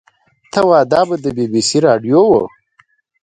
ته وا دا به د بي بي سي راډيو وه.